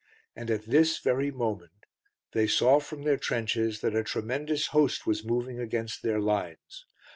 And at this very moment they saw from their trenches that a tremendous host was moving against their lines.